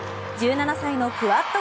１７歳のクアッド